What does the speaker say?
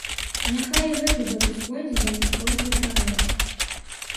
Няхай і гэты допіс пойдзе да іх просьбай пра гэта.